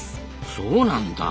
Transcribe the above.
そうなんだ。